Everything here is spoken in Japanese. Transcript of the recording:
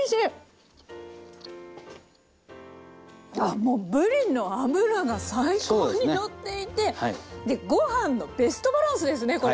もうぶりの脂が最高にのっていてご飯のベストバランスですねこれ。